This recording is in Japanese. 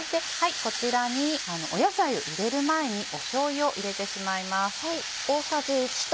こちらに野菜を入れる前にしょうゆを入れてしまいます。